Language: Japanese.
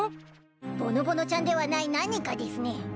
ぼのぼのちゃんではない何かでぃすね。